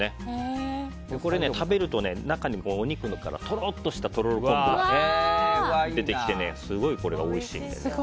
これ食べると中のお肉からとろっとしたとろろ昆布が出てきてすごいこれがおいしいんです。